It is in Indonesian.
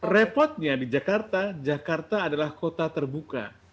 repotnya di jakarta jakarta adalah kota terbuka